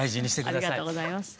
ありがとうございます。